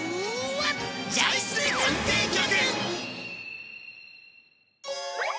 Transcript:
ジャイスネ探偵局！